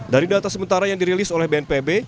dari data sementara yang dirilis oleh bnpb